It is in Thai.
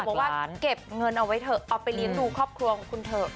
บอกว่าเก็บเงินเอาไว้เถอะเอาไปเลี้ยงดูครอบครัวของคุณเถอะ